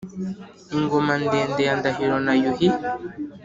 ingoma ndende ya ndahiro na yuhi